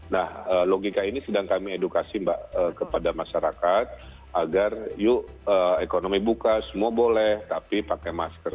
nah logika ini sedang kami edukasi mbak kepada masyarakat agar yuk ekonomi buka semua boleh tapi pakai masker